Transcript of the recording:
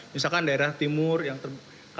misalkan daerah timur yang